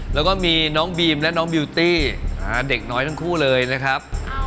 แล้วก็มีน้องบีมและน้องบิวตี้เด็กน้อยทั้งคู่เลยนะครับ